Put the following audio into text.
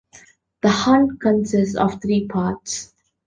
The Hunt consists of three parts.